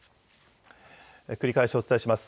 繰り返しお伝えします。